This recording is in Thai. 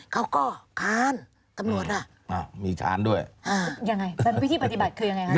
เขาก็ค้านตำรวจอ่ะอ่ามีค้านด้วยอ่ายังไงวิธีปฏิบัติคือยังไงคะ